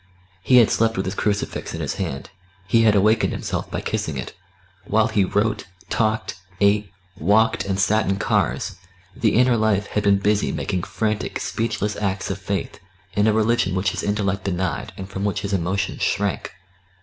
He had slept with his crucifix in his hand, he had awakened himself by kissing it; while he wrote, talked, ate, walked, and sat in cars, the inner life had been busy making frantic speechless acts of faith in a religion which his intellect denied and from which his emotions shrank.